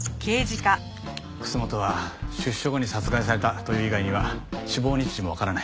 楠本は出所後に殺害されたという以外には死亡日時もわからない。